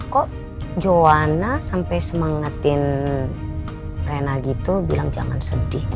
kok johana sampai semangatin rina gitu bilang jangan sedih